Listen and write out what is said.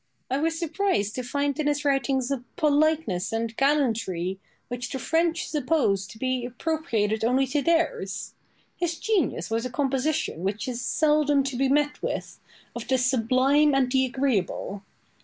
I was surprised to find in his writings a politeness and gallantry which the French suppose to be appropriated only to theirs. His genius was a composition which is seldom to be met with, of the sublime and the agreeable.